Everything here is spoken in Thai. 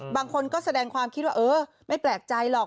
บางคนก็แสดงความคิดว่าเออไม่แปลกใจหรอก